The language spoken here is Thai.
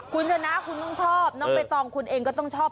คุณชนะคุณต้องชอบน้องใบตองคุณเองก็ต้องชอบ